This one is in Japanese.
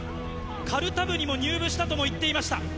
かるた部にも入部したとも言ってました。